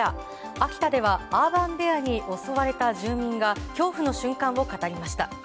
秋田ではアーバンベアに襲われた住民が恐怖の瞬間を語りました。